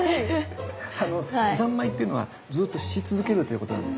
三昧っていうのは「ずっとし続ける」ということなんですね。